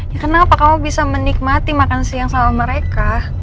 ya kenapa kamu bisa menikmati makan siang sama mereka